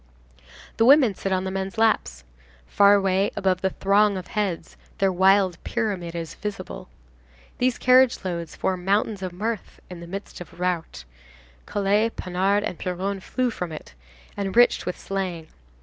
The women sit on the men's laps. Far away, above the throng of heads, their wild pyramid is visible. These carriage loads form mountains of mirth in the midst of the rout. Collé, Panard and Piron flow from it, enriched with slang.